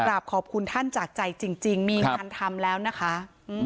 ขอบคุณท่านจากใจจริงมีงานทำแล้วนะคะ